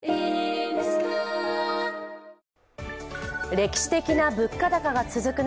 歴史的な物価高が続く中